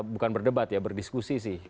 bukan berdebat ya berdiskusi sih